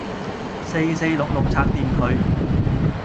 四四六六拆掂佢